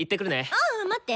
あっ待って！